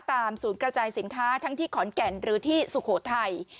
ศูนย์กระจายสินค้าทั้งที่ขอนแก่นหรือที่สุโขทัย